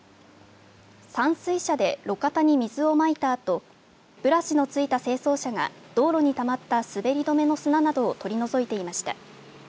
散水車で路肩に水をまいたあとブラシの付いた清掃車が道路にたまった滑り止めの砂などを取り除いていました。